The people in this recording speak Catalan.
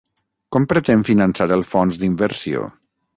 Com pretén finançar el fons d'inversió?